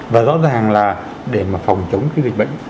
và rõ ràng là để mà phòng chống cái dịch bệnh